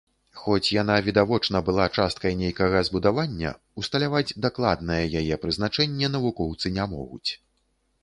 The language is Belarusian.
Хоць яна відавочна была часткай нейкага збудавання, усталяваць дакладнае яе прызначэнне навукоўцы не могуць.